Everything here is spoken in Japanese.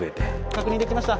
確認できました。